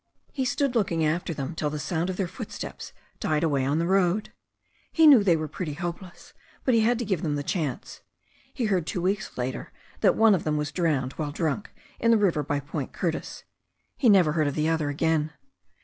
He stood looking after them till the sound of their foot steps died away on the road. He knew they were pretty hopeless, but he had to give them the chance. He heard two weeks later that one of them was drowned while drunk in the river by Point Curtis. He never heard of the other again.